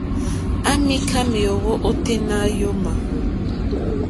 À mìká méèwó óténá yǒmà.